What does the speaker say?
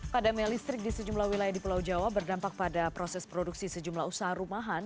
padamnya listrik di sejumlah wilayah di pulau jawa berdampak pada proses produksi sejumlah usaha rumahan